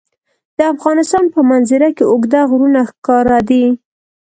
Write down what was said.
د افغانستان په منظره کې اوږده غرونه ښکاره ده.